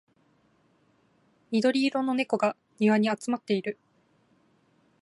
緑色の猫が庭に集まっている